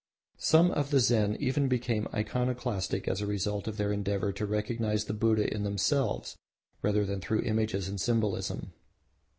Some of the Zen even became iconoclastic as a result of their endeavor to recognise the Buddha in themselves rather than through images and symbolism.